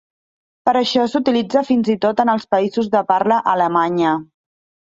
Per això s'utilitza fins i tot en els països de parla alemanya.